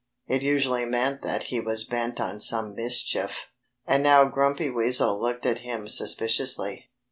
It usually meant that he was bent on some mischief. And now Grumpy Weasel looked at him suspiciously.